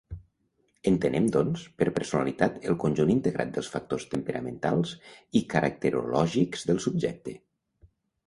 Entenem, doncs, per personalitat el conjunt integrat dels factors temperamentals i caracterològics del subjecte.